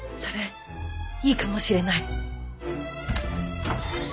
それいいかもしれない。